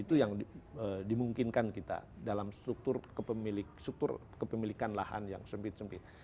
itu yang dimungkinkan kita dalam struktur kepemilikan lahan yang sempit sempit